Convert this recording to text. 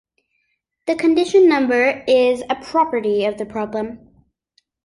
The condition number is a property of the problem.